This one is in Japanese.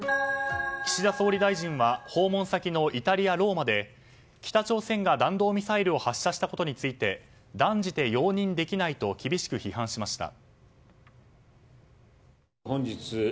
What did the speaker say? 岸田総理大臣は訪問先のイタリア・ローマで北朝鮮が弾道ミサイルを発射したことについて断じて容認できないと厳しく批判しました。